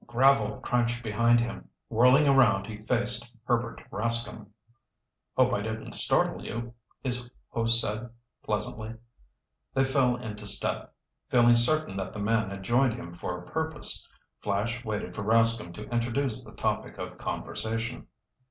Gravel crunched behind him. Whirling around he faced Herbert Rascomb. "Hope I didn't startle you," his host said pleasantly. They fell into step. Feeling certain that the man had joined him for a purpose, Flash waited for Rascomb to introduce the topic of conversation.